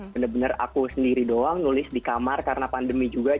benar benar aku sendiri doang nulis di kamar karena pandemi juga